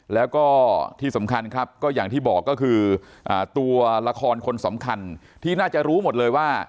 แล้วก็ที่สำคัญครับก็อย่างที่บอกก็คือตัวละครคนสำคัญที่น่าจะรู้หมดเลยว่า